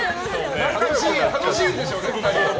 楽しいんでしょうね、２人。